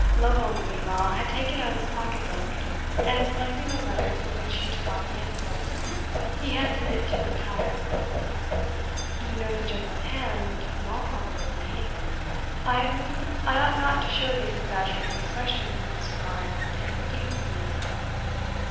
Lovel in the meanwhile had taken out his pocket book, and selecting a letter, from which he took off the envelope, he handed it to Mlntyre. "You know the General's hand, in all probability I own I ought not to show these exaggerated expressions of his regard and esteem for me."